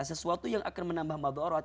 sesuatu yang akan menambah madorot